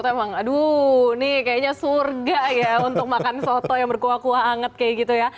emang aduh ini kayaknya surga ya untuk makan soto yang berkuah kuah anget kayak gitu ya